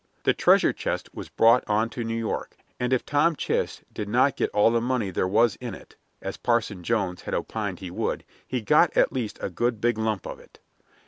The treasure box was brought on to New York, and if Tom Chist did not get all the money there was in it (as Parson Jones had opined he would) he got at least a good big lump of it.